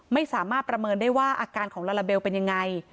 ไม่สามารถประเมินได้ว่าอาการของลาลาเบลเป็นยังไง